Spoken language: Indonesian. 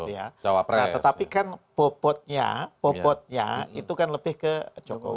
nah tetapi kan bobotnya itu kan lebih ke jokowi